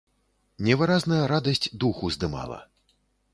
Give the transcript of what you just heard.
Невыразная радасць дух уздымала.